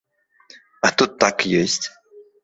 А тут так ёсць.